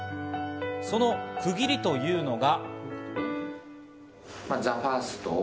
その区切りというのが。